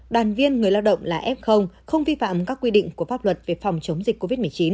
đoàn viên người lao động là f không vi phạm các quy định của pháp luật về phòng chống dịch covid một mươi chín